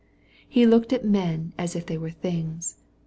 He looked at people as if they were things.